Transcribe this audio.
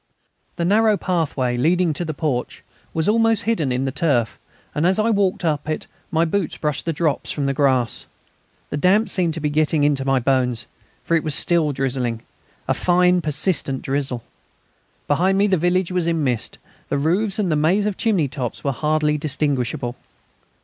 The narrow pathway leading to the porch was almost hidden in the turf, and as I walked up it my boots brushed the drops from the grass. The damp seemed to be getting into my bones, for it was still drizzling a fine persistent drizzle. Behind me the village was in mist; the roofs and the maze of chimney tops were hardly distinguishable.